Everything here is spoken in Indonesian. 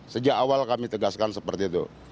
sejak awal kami tegaskan seperti itu